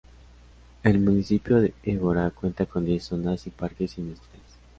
El municipio de Évora cuenta con diez zonas y parques industriales.